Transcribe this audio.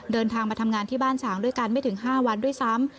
เดินทางมาทำงานที่บ้านฉางด้วยกันไม่ถึง๕วันด้วยซ้ำ